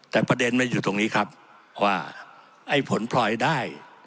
แต่ประเด็นมันอยู่ตรงนี้ครับว่าไอ้ผลพลอยได้